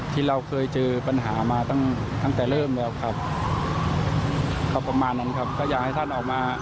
ครับประมาณนั้นครับก็อยากให้ท่านออกมา